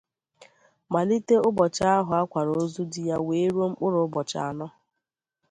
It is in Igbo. malite ụbọchị ahụ a kwara ozu di ya wee ruo mkpụrụ ụbọchị anọ